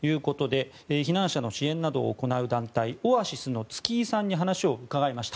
避難者の支援などを行う団体オアシスの月井さんに話を伺いました。